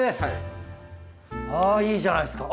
あいいじゃないですか。